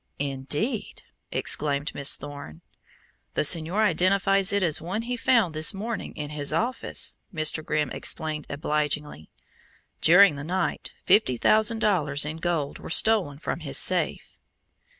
"Indeed!" exclaimed Miss Thorne. "The señor identifies it as one he found this morning in his office," Mr. Grimm explained obligingly. "During the night fifty thousand dollars in gold were stolen from his safe."